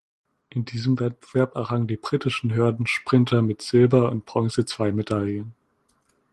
In diesem Wettbewerb errangen die britischen Hürdensprinter mit Silber und Bronze zwei Medaillen.